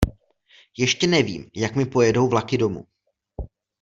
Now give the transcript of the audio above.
Ještě nevím, jak mi pojedou vlaky domů.